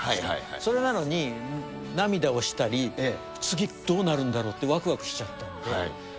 それなのに、涙をしたり、次、どうなるんだろうってわくわくしちゃったんですね。